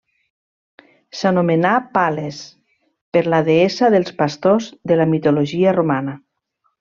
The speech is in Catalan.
S'anomenà Pales per la deessa dels pastors de la mitologia romana.